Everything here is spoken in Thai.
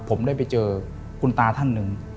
ผมได้ไปเจอคุณตาท่านหนึ่ง